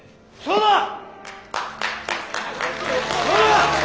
そうだ！